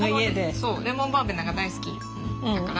そうレモンバーベナが大好きやから。